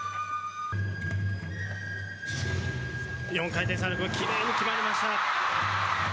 ４回転サルコー、きれいに決まりました。